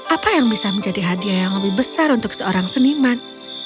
apa yang bisa menjadi hadiah yang lebih besar untuk seorang seniman